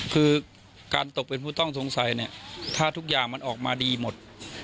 คือการตกเป็นผู้ต้องสงสัยเนี่ยถ้าทุกอย่างมันออกมาดีหมด